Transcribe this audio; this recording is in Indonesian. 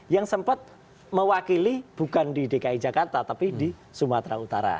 yang sempat mewakili bukan di dki jakarta tapi di sumatera utara